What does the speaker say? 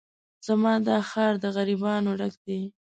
زما دا ښار د غريبانو ډک دی